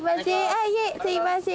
いえすいません